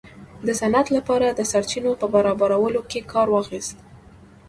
د صنعت لپاره د سرچینو په برابرولو کې کار واخیست.